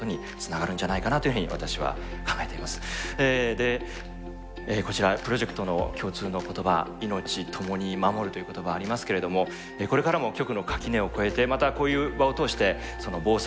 でこちらプロジェクトの共通の言葉「いのちともに守る」という言葉ありますけれどもこれからも局の垣根を越えてまたこういう場を通して防災に向けた仲間を増やしてですね